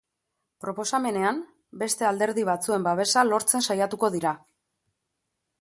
Proposamenean, beste alderdi batzuen babesa lortzen saiatuko dira.